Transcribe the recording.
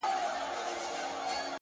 چي ټوله ورځ ستا د مخ لمر ته ناست وي-